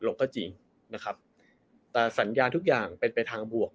โรคกะจีนนะครับแต่สัญญาทุกอย่างเป็นเป็นทางบวก